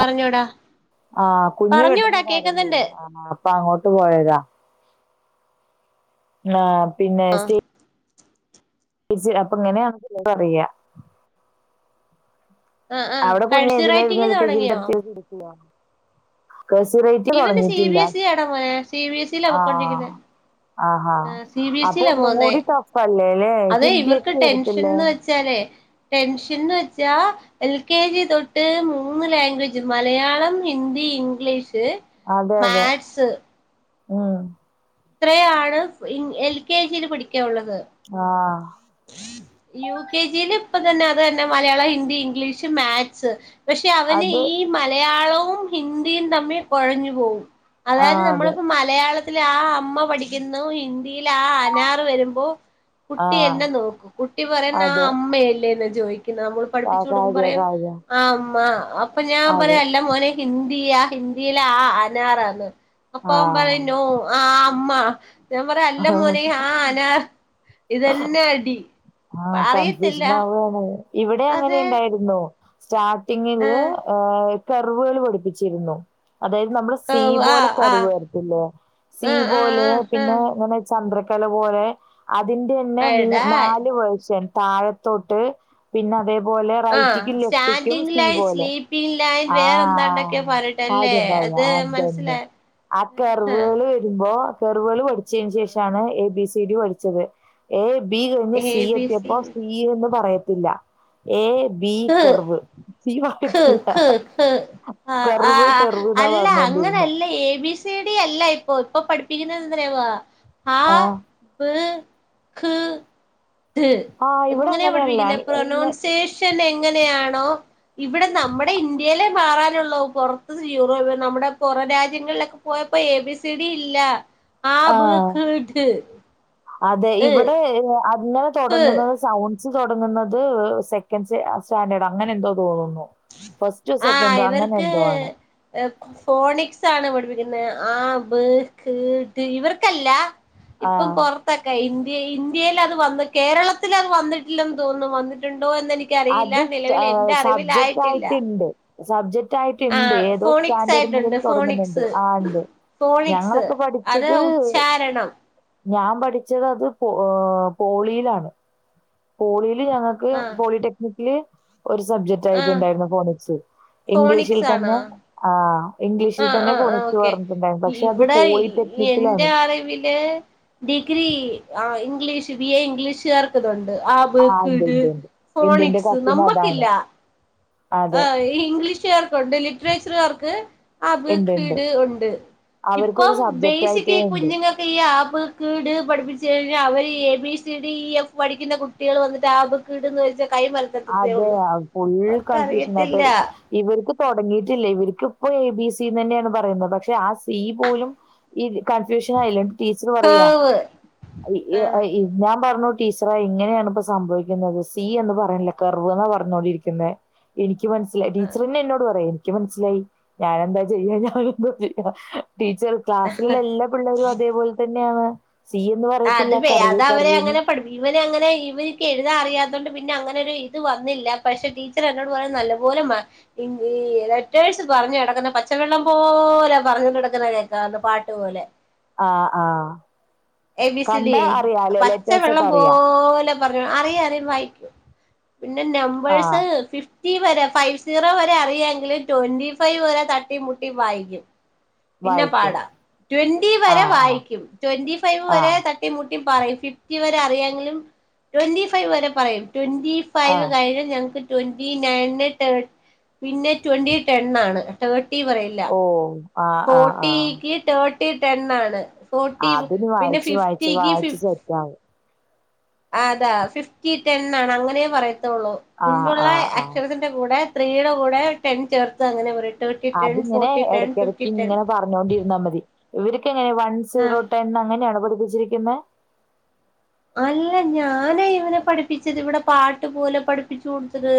അറിഞ്ഞൂടാ. ആ കുഞ്ഞ് പെട്ടന്ന് കരഞ്ഞ് ആ അപ്പ അങ്ങോട്ട് പോയതാ. ആഹ് പിന്നെ സ്റ്റി [unintelligible] അപ്പ ഇങ്ങനെ [unintelligible] അറിയ. ആ ആ അവിടെ കുഞ്ഞ് കഴ്സി എതിലാര്ന്ന് റൈറ്റിംഗ് എൽ കെ ജി തുടങ്ങിയോ [unintelligible] ഇവന് സി ബി എസ് ഇ ആട മോനെ സി ബി എസ് ഇ ലാ ആ പൊക്കൊണ്ടിരിക്കുന്നെ. ആഹാ. ആഹ് സി ബി എസ് അപ്പൊ ഇയിലാ ഒന്നും പോന്നെ, കൂടി ടഫ് അല്ലേ ല്ലേ? അത് ഇവർക്ക് ഹിന്ദിയൊക്കെ വരത്തില്ലേ? ടെൻഷൻന്ന് വെച്ചാലേ ടെൻഷൻന്ന് വെ ച്ച എൽ കെ ജി തൊട്ട് മൂന്ന് ലാംഗ്വേജ് മലയാളം, ഹിന്ദി, ഇംഗ്ലീഷ് അതെ [unintelligible] അതെ. മാത് സ്‌ ഉം ഇത്രയാണ് എൽ കെ ജിയിൽ പഠി ആ യു കെ ജിയില് ഇപ്പ തന്നെ അത് തന്നെ മലയാളം ഹിന്ദി ഇംഗ്ലീഷ് മാക്സ്. പക്ഷെ അവന് അത് ഈ മലയാളവും ഹിന്ദിയും തമ്മിൽ കുഴഞ്ഞു പോവും. ആ അതായത് അതെ. നമ്മളിപ്പോ മലയാള? ആ അമ്മ പഠിക്കുന്നു. ഇന്ദിയിൽ ആ അനാർ വരുമ്പോ ആ കുട്ടി എ നോക്കു കുട്ടി പറയിന്ന ആ അതെ. അമ്മയല്ലേ എന്ന് ചോയി നമ്മൾ കാ പഠിപ്പിച്ചു. കൊടുക്കുമ്പോ കാര്യാ പറയും കാര്യാ. ആ അമ്മ അപ്പൊ ഞാൻ പറയാ അതെ. അല്ല മോനെ ഹിന്ദി ഹി ഹിന്ദിയില ആ ആനാറന്ന് അപ്പൊ ആ. അവൻപറയുനോ ആ അമ്മ ഞാൻ പറയാ അല്ല മോനെ ഹ അനാ ഇതന്നെ പിന്നടി ആഹ് അറയത്തില്ല. കൺഫ്യൂഷൻ ആവാണ് ഇവിടെ അങ്ങനെ ഇണ്ടായിരുന്നു ആ സ്റ്റാർട്ടിങ്ങില് കർവെൾ പടിപ്പിച്ചിരിന്നു. അതായത് നമ്മുടെ സീ ആ പോലെ കറിവ് വരത്തില്ലേ സീ ആ ആ പോലെ ആ ആ പിന്നെ ചന്ദ്രകല പോലെ അതിന്റെഞ്ഞെ മൂ എടാ നാല് വേഷ്യൻ താഴത്തോട്ട് പിന്നെ അതെ പോലെ ആ റൈറ്റിക്കും ലെഫ്റ്റിക്കും സ്റ്റാൻഡിങ് സി ലൈൻ പോലെ സ്ലീപ്പിങ് ലൈൻ ആ വേറെ എന്താണ്ടൊക്കെ പറയട്ടല്ലേ കാര്യം കാര്യ അത് അതന്നെ മനസ്സിലായി ആക്കർവെള് വരുമ്പോ കർവെള് പഠിചെന് ശേഷാണ് എ ബി സി ഡി പഠിച്ചത് ഏ ബി കഴിഞ്ഞ് എ സി ബി എത്തിയപ്പോ സി എന്ന് പറയത്തില്ല ഏ [unintelligible] ആ ആ കർവ് കർവ് എന്നാ അല്ല പറഞ്ഞോണ്ടിരുന്നെ അങ്ങനെല്ല എ ബി അല്ല ഇപ്പൊ ഇപ്പൊ പഠിപ്പിക്കുന്നത് എവാ ആ ആഹ് [unintelligible] ആഹ് ഇവിടെ ഇങ്ങനെ അങ്ങനെയല്ല പഠിപ്പിക്കുന്നെ ഇങ്ങ പ്രൊനൗൺസേഷൻ ഇങ്ങനെയാണോ ഇവിടെ നമ്മുടെ ഇന്ത്യയിലെ മാറാനൊള്ളൂ പൊറത്ത് യൂറോ നമ്മുടെ പുറ രാജ്യങ്ങളിലൊക്കെ പോയപ്പോ എ ബി സി ഡി ഇല്ല ആ ബ് ഖ് ട് അതെ യ് ഇവിടെ അങ്ങനെ ഫ് തൊടങ്ങ്ന്നത് സൗണ്ട്സ് തൊടങ്ങ്ന്നത് സെക്കൻഡ് സ്റ്റാൻഡേർഡ് അങ്ങനെ എന്തോ തോന്നുന്നു ഫസ്റ്റ് ആ സെക്കന്റോ അങ്ങനെ ഇവർക്ക് എന്തോ ആണ് ഫോണിക്സ് ആണ് പഠിപ്പിക്കുന്നത് ആ ബ് ക്ക് ഇവർക്കല്ല ഇപ്പം ആഹ് പൊറത്തൊക്കെ ഇ ഇന്ത്യയിൽ അത് വന്ന് കേരളത്തിൽ അത് വന്നിട്ടില്ലെന്ന് തോന്നുന്നു വന്നിട്ടുണ്ട് ഉണ്ടോ എനിക്കറിയില്ല നിലവിൽ എന്റെ അറിവിൽ ആയി ണ്ട് സബ്ജക്റ്റ് ആയിട്ടിണ്ട് ഏതോ ഫോണിക്സ് സ്റ്റാൻഡേർഡ് മുതൽ ആയിട്ടുണ്ട് തുടങ്ങ്ന്നിണ്ട് ഫോണിക്സ് ആ ഇണ്ട് ഫോണിക്സ് ഞങ്ങളൊക്കെ അത് പഠിച്ചത് ഉച്ചാരണം ഞാൻ പഠിച്ചത് അത് പോ പോളിയിലാണ് പോളിൽ ഞങ്ങക്ക് ആ പോളിടെക്നിക്കില് ഒരു സബ്ജക്ട് ആ ആയിട്ടുണ്ടായിരുന്നു ഫോണിക്സ് ഇംഗ്ലീഷിൽ ഫോണിക്സ് ആണോ തന്നെ ആ ഇംഗ്ലീഷിൽ ആ തന്നെ ആ ആ ഫോണിക്സ് ഓക്കെ പറഞ്ഞിട്ടിണ്ടര് പക്ഷെ അത് ഇവിടെ എന്റെ പോളിടെക്നിക്കിലാണ് അറിവില് ഡിഗ്രി ആ ഇംഗ്ലീഷ് ബി എ ഇംഗ്ലീഷ് കാർക്ക് ഉണ്ട് ആബ് ആഹ് ഇണ്ട് കീട് ഇണ്ട് ഇണ്ട്. ഇണ്ട് ഇന്റെ ഫോണിക്സ് കസിന് അതാണ്. നമ്മക്കില്ല. ആ അതെ. ഇംഗ്ലീഷ്കാർക്കുണ്ട് ലിറ്ററേച്ചർുകാർക്ക്. അബ് ഇണ്ട് ഇണ്ട്. കീട് ഉണ്ട് ഇപ്പം അവർക്കൊരു സബ്ജക്റ്റ് ബേസിക് ആയിട്ടേ ഈ ഇണ്ട്. കുഞ്ഞുങ്ങൾക്ക ആ, ഇ ട് കേട് പഠിപ്പിച്ചച്ച് കഴിഞ്ഞാൽ അവര് A B C D E F പഠിക്കുന്ന കുട്ടികൾ വന്ന് അബ് ക്ട് കന്ന് ചോയി ചാൽ അതെ ഫുൾക്ക് അവർക്കറിയത്തില്ല [inaudible] ഇവർക്ക് തുടങ്ങിയിട്ടില്ല ഇവർക്ക് ഇപ്പോ എ, ബി, സി സി തന്നെയാണ് പറയുന്നത് പക്ഷെ ആ സി പോലും ഈ കൺഫ്യൂഷൻ ആയില്ല ടീച്ചർ പറയാ ഹേവ് അ ഇ ആഹ് യ് ഞാൻ പറഞ്ഞോ ടീച്ചറ ഇങ്ങനെയാണ് ഇപ്പ സംഭവിക്കുന്നത് സി എന്ന് പറയുന്നില്ല കർവ് എന്ന പറഞ്ഞോണ്ടിരിക്കുന്നത് എനിക്ക് എനിക്ക് മനസ്സിലായി ആഹ് ടീച്ചർന്നെ എന്നോട് പറയാ എനിക്ക് മനസ്സിലായി ഞാന എന്താ ചെയ്യാ ഞൻ എന്താ ചെയ്യ ടീച്ചർ ക്ലാസ്സിലുള്ള എല്ലാ പിള്ളേരും അതേപോലെ തന്നെയാണ്. സി എന്ന് ആ അത് പറയത്തില്ല വേ കർവ് അത അവരെ കർവ്ന്ന്. അങ്ങനെ പഠ ഇവന അങ്ങനെ ഇവനിക്ക് എഴതാ അറിയാത്ത പിന്നെ അങ്ങനെ ഒരു ഇത് വന്നില്ല പക്ഷെ ടീച്ചർ എന്നോട് പറയാ നല്ല പോലെറ്റ പറഞ്ഞു കിക്കുന്നെ പച്ചവെള്ളം പോല പറഞ്ഞോണ്ട്ടക്കുന്നക്കാന്ന് പാട്ട്പലെ ആ ആ എ ബിസി ഡി അ പച്ച വെള്ളം അറിയാ. പോലെ പറഞ്ഞു അറിയ അറിയും വായിക്കും. പിന്നെ ആഹ് നമ്പേഴ്സ് ഫിഫ് വ ഫൈവ് സീറോ വരെ അറിയാെങ്കിലും ട്വന്റി ഫൈവ് വരെ തട്ടി മുട്ടി വായിക്കും. പിന്നെ വായിക്കും പാടാ ട്വന്റി വരെ ആഹ് ആഹ് വായിക്കും ട്വന്റി ഫൈവ് വരെ ആഹ് തട്ടി മുട്ടി പറ ഫിഫ്റ്റി വരെ അറിയാെങ്കിലും ട്വന്റി ഫൈവ് വരെ പറയും. ട്വന്റി ഫൈവ് ആഹ് കഴിഞ്ഞൽ ഞങ്ങക്ക് ട്വന്റി നയന് തേ പിന്നെ ട്വന്റി ട്ടൺ ആണ് ട്ടേർ - - പറയില്ല ഓ ആഹ് ആഹ് ആഹ് ഫോർട്ടിക്ക് തേർട്ടി ടെണ് ഫോർട്ടി അതിന് പിന്നെ വായിച്ച് വായിച്ച് ഫിഫ്റ്റിക്ക് വായിച്ച് ഫിഫ് സെറ്റാവും ആ അതാ ഫിഫ്റ്റി ടെൻ ആണ് അങ്ങനേ പറയത്തുള്ളൂ ആഹ് മുൻപുള്ള ആഹ് ആഹ് അക്ഷരത്തിന്റെ കൂടെ ത്രീയുടെ കൂടെ ടെൻ ചേർത്ത് അങ്ങനെ പറയ അതിങ്ങനെ ഇടക്കിടയ്ക്ക് ഇങ്ങനെ പറഞ്ഞോണ്ടിരുന്നാൽ മതി ഇവർക്കെ എങ്ങനെ ആ സീറോ ടെൻ അങ്ങനെയാണ് പഠിപ്പിച്ചിരിക്കുന്നത്. അല്ല ഞാനേ ഇവനെ പഠിപ്പിച്ചത് ഇവിടെ പാട്ട്പലെ പഠിപ്പിച്ചു കൊടുത്തത്.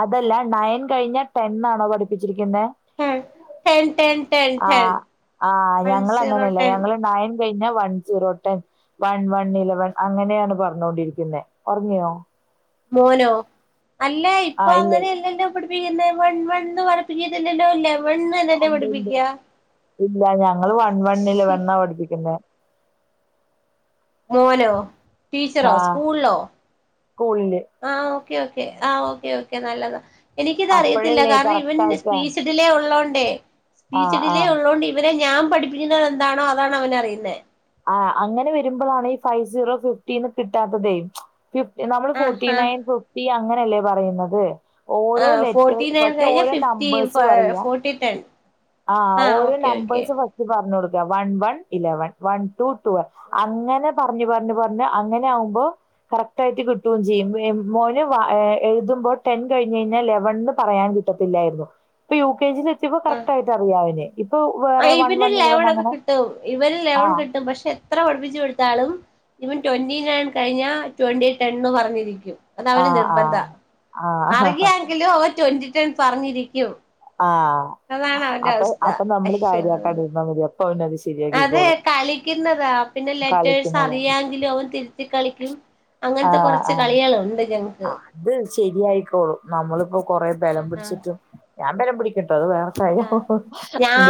അതല്ല നയൻ കഴിഞ്ഞ ടെന്ന ആണോ പഠിപ്പിച്ചിരിക്കുന്നത്. ഹേ ടെൻ ടെൻ ടെൻ ആ ടെൻ ആ് വൺ ഞങ്ങൾ സീറോ അങ്ങനെല്ല ടെൻ ഞങ്ങ നായൻ കയ്ഞ്ഞാവൺ zero ten one one eleven അങ്ങനെയാണ് പറഞ്ഞോൊണ്ടിരിക്കുന്നത് ഉറങ്ങിയോ? മോനോ അല്ല ഇപ്പൊ ആഹ് ഇല്ല അങ്ങനെല്ല ലോ പിന്നെ മെൺ വൺ വൺ പടിപ്പിച്ചിട്ടില്ലല്ലോ ല്ലേ ഓ ണ്ട് ണ്ട് ഇല്ല ഞങ്ങള് വൺ വണ്ണില് വണ്ണാ പഠിപ്പിക്കണ്ടേ പ മോനോ ടീച്ചറോ ആഹ് സ്കൂളിലോ? സ്കൂളില് ആഹ് ഓക്കെ ഓക്കെ ആഹ് ഓക്കെ ഓക്കെ നല്ലതാ എനിക്കിത് അറിയത്തില്ല അപ്പഴല്ലേ കാരണം ഇവൻ കറക്റ്റ് ആയിട്ടാ സ്പീച്ചഡിലേ ഉള്ളോണ്ടേ ആഹ് സ്പീച്ചഡിലെ ആഹ് ഉള്ളതോണ്ട് ഇവരെ ഞാൻ പഠിപ്പിക്കുന്നത് എന്താണോ അതാണ് അവൻ അറിയുന്നത് ആ അങ്ങനെ വരുമ്പോഴാണ് ഈ ഫൈവ് സീറോ ഫിഫ്റ്റിന്ന് കിട്ടാത്ത തേ ഫിഫ് നമ്മൾ ആഹ് ഫോർട്ടി ആഹ് നയൻ ഫിഫ്റ്റി അങ്ങനെയല്ലേ പറയുന്നത്. ഓരോ ആഹ് ഫോർട്ടി ലെറ്റേഴസ് നയൻ പക്ഷെ കഴിഞ്ഞ ഓരോ ഫിഫ്റ്റി നമ്പേഴ്സ് പറയാ ഫോർട്ടി ടെൻ ആഹ ആഹ് ഓരോ ഓക്കെ ഓക്കെ നമ്പേഴ് പസ്റ്റ് പ പറഞ്ഞ കൊടുക്ക one one eleven one two two അങ്ങനെ പറഞ്ഞഞ് പറഞ്ഞഞ് പറഞ്ഞഞ് അങ്ങനെ ആവുമ്പോ കറക്റ്റ് ആയിട്ട് കിട്ടുകയും ചെയ്യും മോന് എഴുതുമോ ടെൻ കഴിഞ്ഞ കഴിഞ്ഞാൽ ലെവൻ പറയാൻ ക കിട്ടത്തില്ലായിരുന്നു ഇ യു കെ ജ എത്തിപ്പോ കറക്റ്റ്യിയി് അറിയാനെ ആ ഇവന് ലെവണൊക്കെ കിട്ടും ഇവന് ആ ലെവൺ കിട്ടും പക്ഷെ എത്ര പഠപ്പിച്ചു കൊടുത്തളും ഇപ്പം ട്വന്റി നയൻ കഴിഞ്ഞാ ട്വന്റി ടെൻന്ന് പറഞ്ഞിരിക്കും. അത ആ അവന് ആ നിർബന്ധ ആ അറിയാെങ്കിലും അവ ട്വന്റി ട്വൻ പറഞ്ഞിരിക്കും. ആഹ അതാണ് അവന്റെ അപ്പൊ അപ്പൊ നമ്മള് കാര്യമാകണ്ടിരുന്നാൽ മതി അവനത് അതെ ശരിയാക്കിക്കോളും കളിക്കുന്നതാ പിന്നെ ലെറ്റേഴ്സ് കളിക്കുന്നത് അറിയാങ്കിലും അവൻ തിരുത്തി കളിക്കും. അങ്ങനത്തെ ആഹ കൊറച്ച് കളികളുണ്ട് ഞങ്ങക്ക് ആഹ അത് ശരിയായിക്കോളൂ. നമ്മള്പ്പോ കൊറേ ബലം പിടിച്ചിട്ടും ഞാൻ ബലം പിടി അ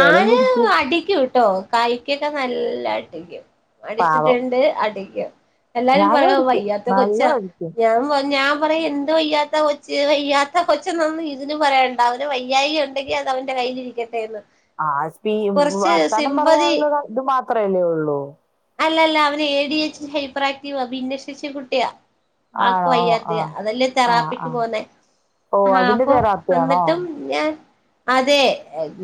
ബലം പിടിക്കും അടിക്കുട്ടോ കായ്ക് നല്ലടിക്കും. പാവം അടിച്ചിട്ടുണ്ട് അടികും എല്ലാരും ഞാനും പറയ അത് അടിക്കും വയ്യാത്ത കൊച്ചാ നല്ലോം അടിക്കും ഞാൻ പർഞ് ഞാൻ പറയാ എന്ത് വയ്യാത്ത കൊച്ച് വയ്യാത്ത കൊചെന്ന് ഒന്നും ഇതിന് പറയണ്ട അവന് വയ്യായി ഉണ്ടെങ്കിൽ അവന്റെ കയ്യിലിരിക്കട്ടെന്ന്. ആ സ്പ കൊറച്ച് വർത്താനം സിമ്പതി പറയാനുള്ള ഒര് ഇത് മാത്രല്ലേ ഉള്ളൂ. അല്ലല്ല അവന A D H hyper Activa ഭന്ന ഷേശി കുട്ടിയാ. ആക്ക് ആണോ വയ്യാത്ത ആഹ് അതെല്ലേ ആഹ് തെറാപ്പിക്ക് ആഹ് പോവുന്നെ. ഓ ആഹ അതിന്റെ അപ്പൊ തെറാപ്പിയാണോ എന്നിട്ടും ഞാ ആ അതെ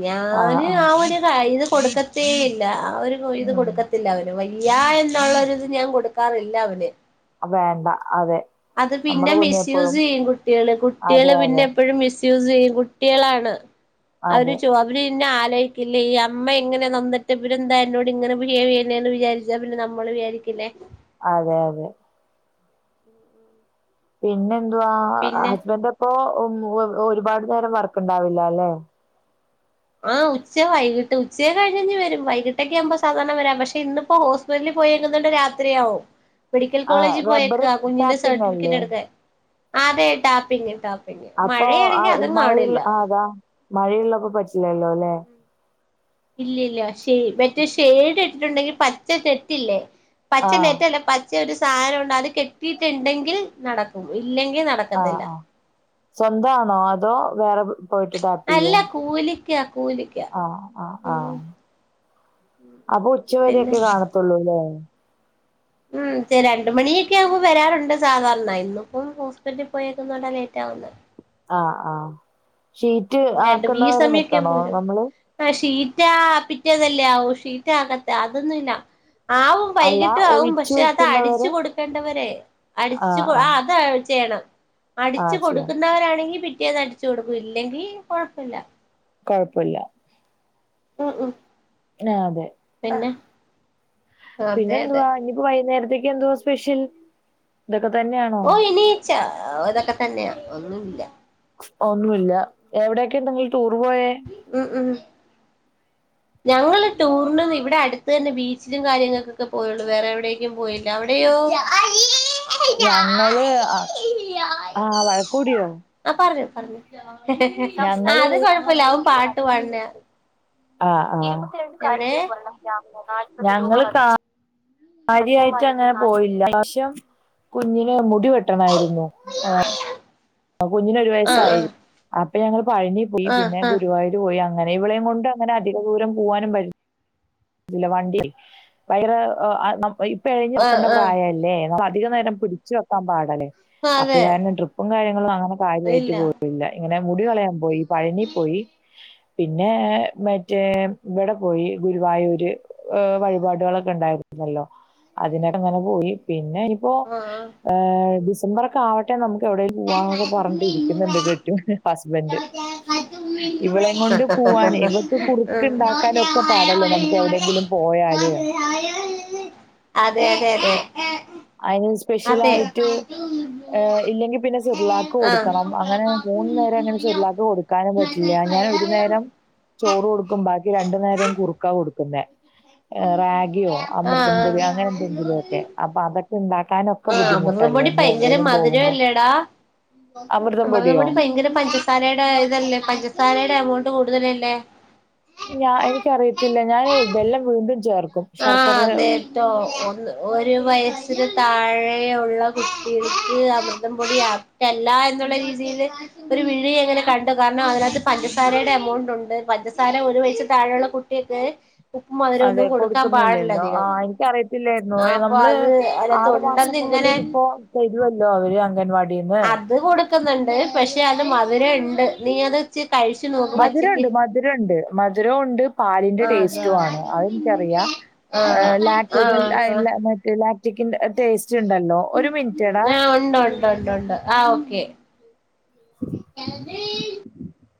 ഞൻ ആഹ് ആഹ് ആ ഒരു ഇത് കൊടുക്കത്തേ ഇല്ല. അവർ പോയി ഇത് ഉം കൊടുക്കത്തില്ല അവന് വയ്യാ എന്നുള്ളൊരു ഇത് ഞാൻ കൊടുക്കാറില്ല അവന്. വേണ്ട അതെ. അത് പിന്നെ നമ്മുടെ മിസ്യൂസ്സ് കുഞ്ഞെപ്പോഴും ചെയ്യും കുട്ടികള് അതെ കുട്ടികള് പിന്നെ അതെ എപ്പോഴും മിസ് സുസെയ്യും കുട്ടികളാണ് അവര് അതെ ചോ അവര് പിന്നെ ആലോചിക്കില്ലെ ഈ അമ്മ എങ്ങനെ നൊന്തിട്ട് പിന്നെ എന്താ എന്നോട് ഇങ്ങനെ ബിഹേവ് ചെയ്യനേ വിചാരിച്ചാ പിന്നെ നമ്മള് രിക്കില്ലേ. അതെ അതെ. പിനദ്വാ പിന്നെ ഹസ്ബൻഡ ഇപ്പോ [inaudible] ഒരുപാട് നേരം വർക്ക് ഉണ്ടാവില്ല അല്ലെ? ആഹ് ഉച്ച വൈകിട്ട് ഉച്ച കഴിഞ് വരും വൈകിട്ടൊക്കെ ആഗുമ്പോ സാധാരണ വരാം പക്ഷെ ഇന്നിപ്പോ ഹോസ്പിറ്റലി പോയേക്കണ്ട് രാത്രിആവും മെഡിക്കൽ ആ കോളേജിൽ റബ്ബർ പോയേക്ക കുഞ്ഞിന്റെ ടാപ്പിംഗ് അല്ലേ സർട്ടിഫിക്കറ്റ് എടുകാണാ. അതെ ട്ടാപിംഗ് ട്ടാ. അപ്പൊ ആ മഴയുള്ള ആ അതാ മഴയുള്ളൊപ്പൊ പറ്റില്ലല്ലോ ല്ലെ. ഇല്ലല്ല ശെരി മറ്റേ ഷെയഡ് ഇട്ടിട്ടുണ്ടെങ്കിൽ പച്ച തെട്ടില്ലേ പച്ച ആഹ് നെറ്റ അല്ല പച്ച ഒരു സാനം ഉണ്ട് അത് കിട്ടിട്ടുണ്ടെങ്കിൽ നടക്കും. ഇല്ലെങ്കിൽ നടക്കത്തില്ല. സ്വന്ത ആണോ അതോ വേറെ അല്ല പോയിട്ടിട്ടായെ. കൂലിക്കാ കൂലിക്കാ ആഹ ആഹ് ഉം ആഹ് അപ്പൊ ഉച്ചവരൊക്കെ പിന്നെ കാണത്തുള്ളൂല്ലേ. ഉം രണ്ട് മണിയൊക്കെയാവുമ്പോ വരാറുണ്ട് സാധാരണ ഇന്ന്പ്പം ഹോസ്പിറ്റലിൽ പോയേക്നോണ്ട ലേറ്റ് ആവുന്നെ ആ ആ ഷീറ്റ് രണ്ട് ഈ ആക്കുന്നവരെ നിക്കണോ നമ്മള്. പിറ്റ പിറ്റേതല്ലേ ആവൂ ഷീറ്റ ആകത്ത അതൊന്നുല്ല. ആവും അല്ല വൈകിട്ടും ആവും ഒഴിച്ചു പക്ഷെ അത് അടിച്ചു വെക്കുന്നവരെ കൊടുക്കേണ്ടവരെ ആഹ് അടിച്ചുകൊ ആ ആഹ് അത് ചെയ്യണം. അടിച്ചു ആഹ് ചെയ്യാം കൊടുക്കുന്നവരാണെങ്കി പിറ്റേത് അടിച്ചു കൊടുക്കും ഇല്ലെങ്കിൽ കൊഴപ്പല്ല. കുഴപൊല്ല. ഉം ഉം. നാബെ ആ. പിന്നെ അതെ അതെ പിന്നെന്തുവാ ഇനിപ്പോ വൈയ്ന്നേരത്തേക്ക് എന്തുവാ സ്പെഷ്യൽ. ഇതൊക്കെ തന്നെയാണോ ഓ ഇനീച്ച ഇതൊക്കെ തന്നെയാ ഒന്നുല്ല. ഒന്നുല്ല എവിടെക്കെ നിങ്ങള്ൾ ടൂറ് പോയെ. ഉം ഉം ഞങ്ങള് ടൂറിനും ഇവിടെ അടുത്തന്നെ ബീച്ചിലും കാര്യങ്ങൾക്കൊക്കെ പോയുള്ളൂ വേറെ എവിടേക്കും പോയില്ല അവിടെ യോ. ഞങ്ങള് ആ ആ വഴക്കൂടിയോ? പറ ആ ഞങ്ങള് അത് കൊഴപ്പില്ല അവൻ പാട്ട് പാട്ണയാ ആ ആ ഞങ്ങള് കാ ര്യയായിട്ട് അങ്ങനെ പോയില്ല പ്രാശ്യം കുഞ്ഞിനെ ടി വെട്ടണായിരുന്നു ആ ആ കുഞ്ഞിനൊരു ആ വയസായി അപ്പൊ ഞങ്ങള് പഴനി പോയി ആ പിന്നെ ആ ആ ഗുരുവായൂര് പോയി അങ്ങനെ ഇവളേം കൊണ്ട് അങ്ങനെ അധിക ദൂരം പോവാനും പറ്റു ല്ല വണ്ടി പയ്ങ്കര പെഴഞ്ഞ് ആ ക്കേണ്ട ആ പ്രായല്ലേ പ്പ അധിക നേരം പിടിച്ച് വെക്കാൻ പാടല്ലേ അപ്പൊ അതെ കാരണം ട്രിപ്പൊ ന്ന്വങ്ങനെ കാര്യയിട്ട് ഇല്ല പോവല് [unintelligible] അങ്ങനെ മുടികളയാൻ പോയി പഴനി പോയി പിന്നെ മറ്റേ ഇവിടെ പോയി ഗുരുവായൂര് വഴിപാടുകളൊക്കെ ഉണ്ടായിരുന്നല്ലോ അതിനൊക്കങ്ങനെ പോയി പിന്നെ പിന്ന ഇപ്പോ ആ ആ ഡിസംബർക്കെ ആവട്ടെ നമുക്ക് എവിടെ പൂവാന്നക്ക പറഞ്ഞിരിക്കുന്നുണ്ട് കെട്ടിയോൻ ഹസ് ബന്റ്. ഇവളെങ്കൊണ്ട് പോവാനെ ഇവക്ക് കുറുക്ക്ണ്ടാക്കാനൊക്കെ പാടല്ലേ നമ്മ എവിടെയെങ്കിലും പോയാല് അതെ അതെ അതെ അയ്ന് സ്പെഷ്യലായിട്ട് ഇല്ലെങ്കി പിന്നെ സിർളാക്ക് കൊടുക്കണം അങ്ങനെ മൂ ന്നേരങ്ങനെ അതെ ആ സിർളാക്ക് കൊടുക്കാനും പറ്റില്ല്യ ഞാൻ ഒരു നേരം ചോറ് കൊടുക്കും ബാക്കി രണ്ടു നേരവും കുറുക്കാ കൊടുക്കുന്നേ റാഗിയോ അമൃതം പൊടിയോ ആഹ് അങ്ങനെ എന്തെങ്കിലുവൊക്കെ അപ്പൊ അതൊക്കെ ഇണ്ടാക്ക ആ അമൃതംപൊടി പയങ്കര പോകുമ്പോ മധുരവല്ലേടാ അമൃതം പൊടി പയ്ങ്കര പഞ്ചസാരേടെ ഇതല്ലേ പഞ്ചസാരേടെ എമൗണ്ട് കൂടുതലല്ലേ ഞാ എനിക്കറിയത്തില്ല ഞാന് ബെല്ലം [unintelligible] ആ അതെ ട്ടോ ഒന്ന് ഒരു വയസി ന് താഴെ ഒള്ള കുട്ടികൾക്ക് അമൃതം പൊടി ആപ്റ്റല്ല എന്നൊള്ള രീതിയില് ഒരു വിഴി ഇങ്ങനെ കണ്ടു കാരണം അതിനകത്ത് പഞ്ചസാരേടെ എമൗണ്ട് ഒണ്ട് പഞ്ചസാര ഒരു വൈസ് താഴോ ഉപ്പും മധരൊന്നും അതെ കൊടുക്ക [unintelligible] ക്കാമ്പാടില്ല കൊടുക്കുന്നില്ലല്ലോ ആ അധികം എനിക്കറിയത്തില്ലായിരുന്നു ആ ഏ, അപ്പൊ നമ്മള് അത് ആറു മാസം മുതൽ അതിനാത്തൊണ്ടന്ന്ങ്ങനെ ഇതിപ്പോ തരുമല്ലോ അവര് അംഗൻവാടിന്ന് അത് കൊടുക്കുന്നുണ്ട് പക്ഷെ അത് മധുരംണ്ട് നീ അത്ച്ചി മധുരണ്ട് മധുരണ്ട് മധുരോണ്ട് പാലിന്റെ ആ അതാ ടേസ്റ്റു ആണ് അതെനിക്കറിയാം ആ യാ ആ ലാക്ടൊജൻ ആ [unintelligible] ച്ണ്ടല്ലോ ഒരു മിനിറ്റ്ടാ ആ ഉണ്ട് ഉണ്ട് ഉണ്ട് ഉണ്ട് ആ ഓക്കെ [unintelligible]